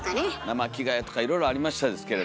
生着替えとかいろいろありましたですけれども。